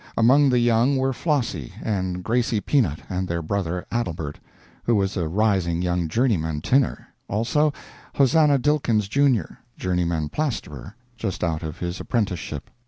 Among the young were Flossie and Gracie Peanut and their brother Adelbert, who was a rising young journeyman tinner, also Hosannah Dilkins, Jr., journeyman plasterer, just out of his apprenticeship.